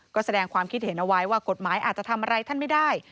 ก็แสดงความคิดเห็นเอาไว้ว่ากฎหมายอาจจะทำอะไรท่านไม่ได้